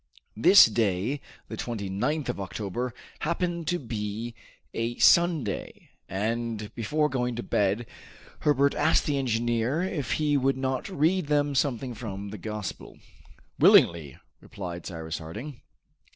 This day the 29th of October happened to be a Sunday, and, before going to bed, Herbert asked the engineer if he would not read them something from the Gospel. "Willingly," replied Cyrus Harding.